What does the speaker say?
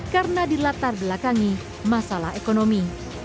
karena dilatar belakangi masalah ekonomi